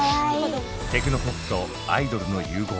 テクノポップとアイドルの融合。